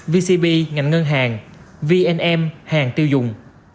vcb ngành ngân hàng vnm hàng tiêu dùng